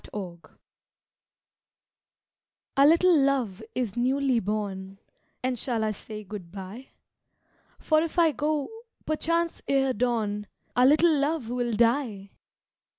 TO —— Our little love is newly born, And shall I say good bye? For if I go, perchance ere dawn Our little love will die!